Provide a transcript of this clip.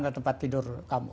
ke tempat tidur kamu